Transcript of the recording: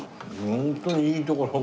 ホントにいいところを。